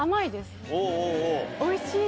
おいしい。